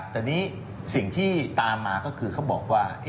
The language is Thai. แต่นี่สิ่งที่ตามมาก็คือเขาบอกว่า